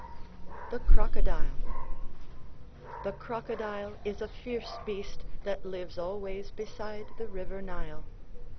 ] THE CROCODILE The crocodile is a fierce beast that lives always beside the river Nile.